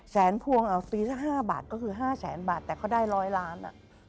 แสนพวงฟรี๕บาทก็คือ๕๐๐๐๐๐บาทแต่เขาได้ร้อยล้าน